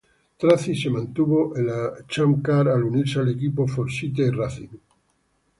Tracy se mantuvo en la Champ Car al unirse al equipo Forsythe Racing.